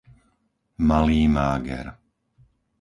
Malý Máger